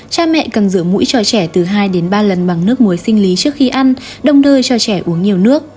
cha mẹ cần rửa mũi cho trẻ từ hai đến ba lần bằng nước muối sinh lý trước khi ăn đồng thời cho trẻ uống nhiều nước